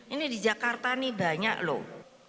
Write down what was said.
ini di jakarta ini banyak loh